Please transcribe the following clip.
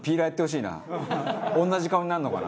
「同じ顔になるのかな？」